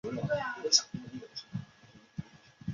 马德钟曾为无线电视监制潘嘉德及林志华的常用演员。